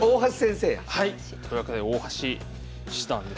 はい！というわけで大橋七段です。